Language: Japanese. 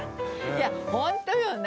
いやホントよね。